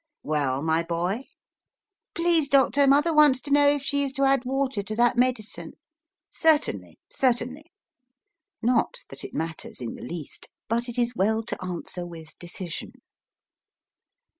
Well, my boy ? Please, doctor, mother wants to know if she is to add water to that medicine. Certainly, certainly. Not that it matters in the least, but it is well to answer with decision.